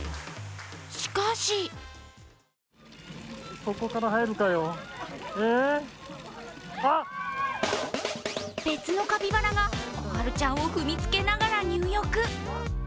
しかし別のカピバラがコハルちゃんを踏みつけながら入浴。